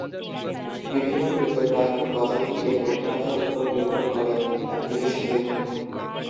বিভিন্ন ক্রিপ্টোগ্রাফিক পদ্ধতি এর কঠিনতার উপর নির্ভর করে, অ্যাপ্লিকেশন দেখুন।